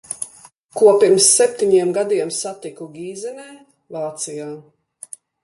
Ko pirms septiņiem gadiem satiku Gīzenē, Vācijā.